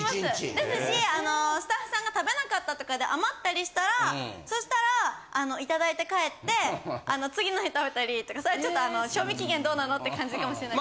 ですしスタッフさんが食べなかったとかで余ったりしたらそしたらいただいて帰って次の日食べたりとかそれちょっと賞味期限どうなのって感じかもしれない。